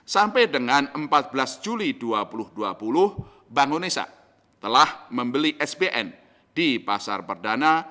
sampai dengan empat belas juli dua ribu dua puluh bank indonesia telah membeli sbn di pasar perdana